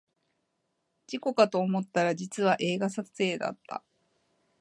事故かと思ったら実は映画撮影だった